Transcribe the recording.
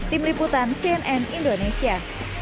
tim liputan cnn indonesia